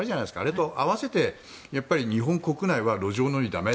あれと合わせて日本国内は路上飲み駄目。